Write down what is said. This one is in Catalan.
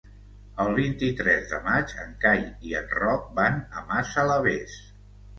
El vint-i-tres de maig en Cai i en Roc van a Massalavés.